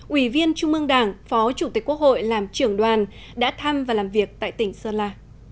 ủy viên trung ương đảng phó chủ tịch quốc hội làm trưởng đoàn đã thăm và làm việc tại tỉnh sơn la